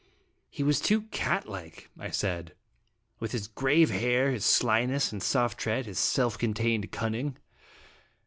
He was too cat like," I said, "with his grave air, his slyness and soft tread, his self contained cunning."